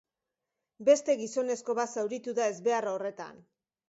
Beste gizonezko bat zauritu da ezbehar horretan.